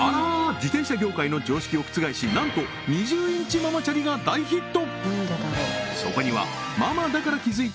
自転車業界の常識を覆しなんと２０インチママチャリが大ヒット！